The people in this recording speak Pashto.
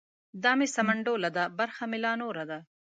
ـ دا مې سمنډوله ده برخه مې لا نوره ده.